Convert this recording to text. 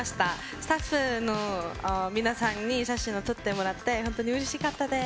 スタッフの皆さんに写真を撮ってもらって、本当にうれしかったです。